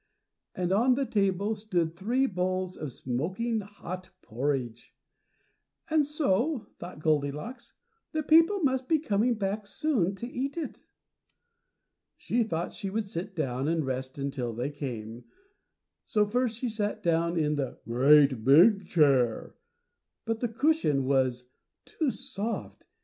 And on the table stood three bowls of smoking hot porridge. "And so," thought Goldilocks, "the people must be coming back soon to eat it." She thought she would sit down and rest until they came, so first she sat down in the GREAT BIG CHAIR, but the cushion was too soft.